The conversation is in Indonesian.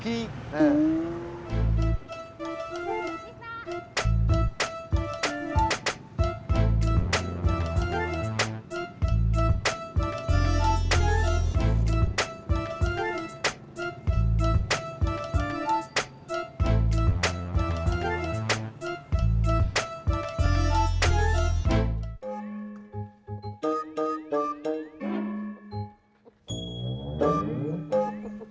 tunggu tunggu tunggu